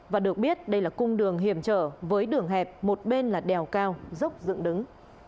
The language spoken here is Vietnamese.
và được biết đây là cung đường hiểm trở với đường hẹp một bên là đèo cao dốc dựng đứng